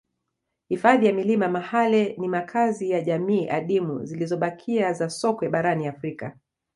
Hifadhi ya milima Mahale ni makazi ya jamii adimu zilizobakia za sokwe barani Afrika